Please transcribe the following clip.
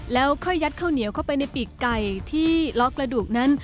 แล้วค่อยยัดข้าวเหนียวเข้าไปในปีกไก่ที่ล้อกระดูกนั้น